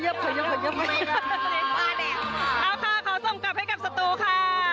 เอาค่ะเขาส่งกลับให้กับสตูค่ะ